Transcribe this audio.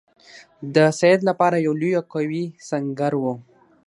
د سید لپاره یو لوی او قوي سنګر وو.